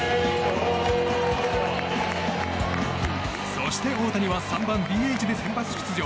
そして大谷は３番ＤＨで先発出場。